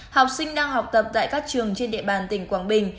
học sinh đang học tập tại các trường trên địa bàn tỉnh quảng bình